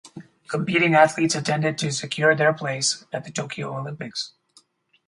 Competing athletes attended to secure their place at the Tokyo Olympics.